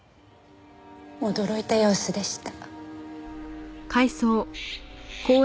驚いた様子でした。